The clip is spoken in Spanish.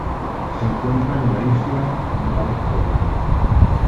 Se encuentra en la Isla Norfolk.